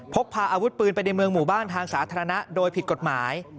พกพาอาวุธปืนไปในเมืองหมู่บ้านทางสาธารณะโดยผิดกฎหมาย